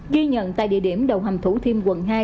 ghi nhận tại địa điểm đầu hầm thủ thiêm quận hai